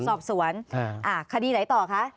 สอบสวนคดีไหนต่อคะ